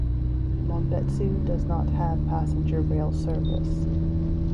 Monbetsu does not have passenger rail service.